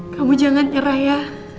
kamu jangan nyerah ya